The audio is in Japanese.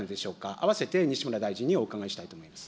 あわせて西村大臣にお伺いしたいと思います。